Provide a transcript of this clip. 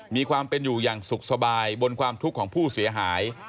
มีความเป็นอยู่อย่างสุขสบายบนความทุกข์ของผู้เสียหาย